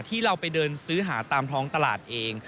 ที่เราไปเดินซื้อหาตามท้องตลาดเอง